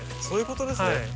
そういうことですね。